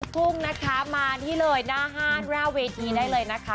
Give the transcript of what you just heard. ทุ่งนะคะมานี่เลยหน้าห้านหน้าเวทีได้เลยนะคะ